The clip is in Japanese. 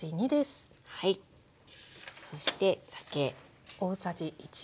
そして酒。